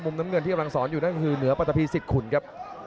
มุมน้ำเงินที่กำลังสอนอยู่นั่นคือเนื้อปรัฏภีร์ศิตขุนครับ